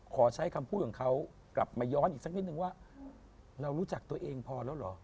ขอใช้คำพูดของเขากลับมาย้อนอีกสักนิดนึงว่าเรารู้จักตัวเองพอแล้วเหรอ